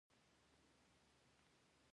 ایا زما هیریدل به ښه شي؟